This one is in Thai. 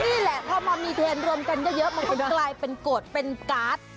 นี่แหละถ้ามันมีเทนรวมกันก็เยอะมันกลายเป็นกรดเป็นก๊าซ